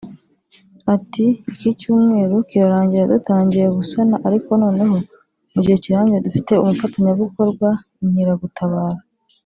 Ati “Iki cyumweru kirarangira dutangiye gusana ariko noneho mu gihe kirambye dufite umufatanyabikorwa (Inkeragutabara)